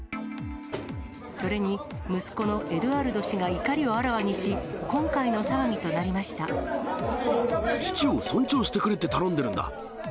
それに息子のエドゥアルド氏が怒りをあらわにし、今回の騒ぎとな父を尊重してくれって頼んでるんだ。